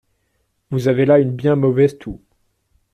Vous avez là une bien mauvaise toux.